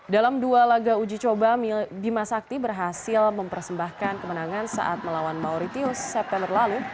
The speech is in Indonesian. dalam dua laga uji coba bima sakti berhasil mempersembahkan kemenangan saat melawan mauritius september lalu